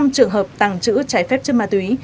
năm trường hợp tàng trữ trái phép chân ma túy